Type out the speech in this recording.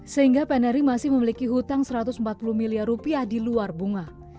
sehingga pnri masih memiliki hutang satu ratus empat puluh miliar rupiah di luar bunga